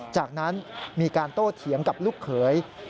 จากนั้นมีการโต้เถียงกับลูกเขย